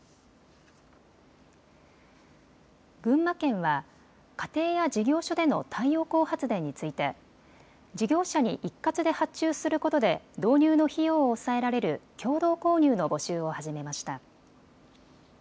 群馬県は家庭や事業所での太陽光発電について事業者に一括で発注することで導入の費用を抑えられる共同購入の募集を始めました。